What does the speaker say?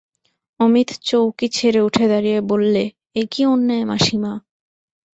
অমিত চৌকি ছেড়ে উঠে দাঁড়িয়ে বললে, এ কী অন্যায় মাসিমা।